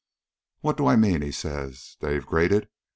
"What do I mean, he says!" Dave grated.